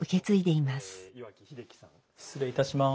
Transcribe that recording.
失礼いたします。